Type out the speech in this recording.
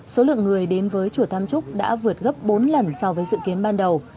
số lượng người đến với chùa tam trúc đã vượt gấp bốn lần so với dự kiến ban đầu